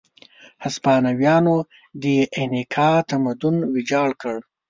هسپانویانو د اینکا تمدن ویجاړ کړ.